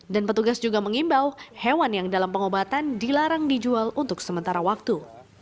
dan petugas juga mengimbau hewan yang dalam pengobatan dilarang dijual untuk sementara waktu